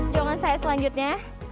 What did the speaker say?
jangan saya selanjutnya